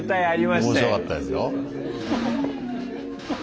面白かったですよ。